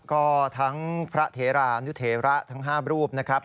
ก็ทั้งพระเทรานุเทระทั้ง๕รูปนะครับ